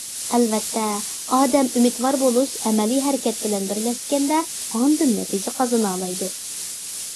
ئەلۋەتتە ئادەم ئۈمىدۋار بولۇش ئەمەلىي ھەرىكەت بىلەن بىرلەشكەندە ئاندىن نەتىجە قازىنالايدۇ.